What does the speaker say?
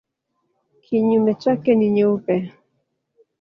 Kinyume chake ni nyeupe.